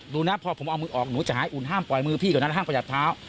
ดูนะพอผมเอามือออกหนูจะหายอุ่นห้ามปล่อยมือพี่กว่านั้นห้ามประหยัดเท้า